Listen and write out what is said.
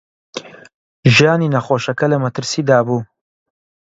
ژیانی نەخۆشەکە لە مەترسیدا بوو.